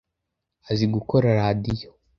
Azi gukora radio.